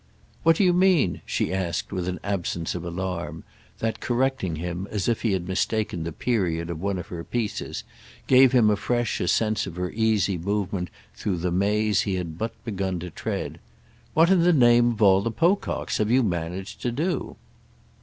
"What do you mean?" she asked with an absence of alarm that, correcting him as if he had mistaken the "period" of one of her pieces, gave him afresh a sense of her easy movement through the maze he had but begun to tread. "What in the name of all the Pococks have you managed to do?"